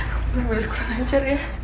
kamu bener bener kurang ajar ya